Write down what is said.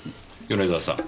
米沢さん。